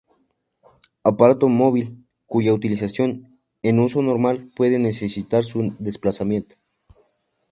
Aparato movible, cuya utilización, en uso normal, puede necesitar su desplazamiento.